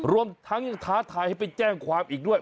รวมทั้งยังท้าทายให้ไปแจ้งความอีกด้วย